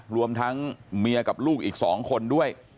รวมทั้งเมียกับลูกอีก๒คนด้วย